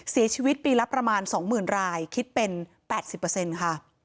เสียชีวิตปีละประมาณ๒๐๐๐รายคิดเป็น๘๐ค่ะ